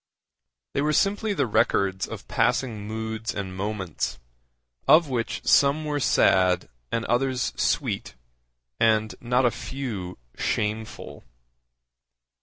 They were simply the records of passing moods and moments, of which some were sad and others sweet, and not a few shameful.